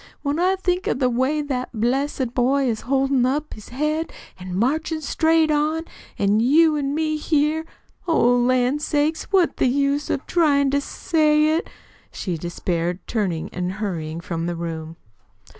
"When I think of the way that blessed boy is holdin' up his head an' marchin' straight on; an' you an' me here oh, lan' sakes, what's the use of TRYIN' to say it!" she despaired, turning and hurrying from the room.